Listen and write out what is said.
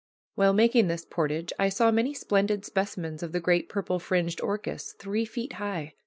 While making this portage I saw many splendid specimens of the great purple fringed orchis, three feet high.